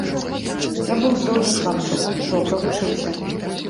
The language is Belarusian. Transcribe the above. Я быў здольны хлапчук, добра вучыўся.